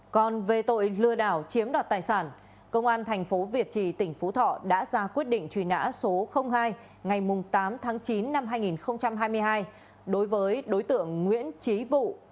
còn về tội lừa đảo chiếm đoạt tài sản công an thành phố việt trì tỉnh phú thọ đã ra quyết định truy nã số hai ngày tám tháng chín năm hai nghìn hai mươi hai đối với đối tượng nguyễn trí vụ